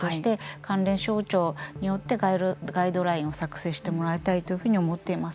関連省庁によってガイドラインを作成してほしいと思っています。